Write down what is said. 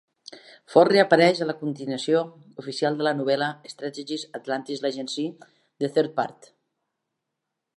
Ford reapareix a la continuació oficial de la novel·la "Stargate Atlantis Legacy: The Third Path".